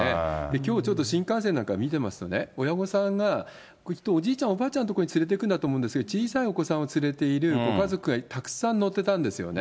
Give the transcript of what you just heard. きょう、ちょっと新幹線なんか見てますとね、親御さんがきっとおじいちゃん、おばあちゃんのところに連れていくんだと思うんですが、小さいお子さんを連れているご家族がたくさん乗ってたんですよね。